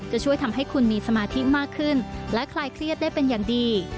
จะช่วยทำให้คุณมีสมาธิมากขึ้นและคลายเครียดได้เป็นอย่างดี